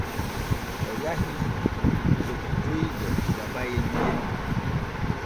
O yahi hoccoygo Jabayel ŋel.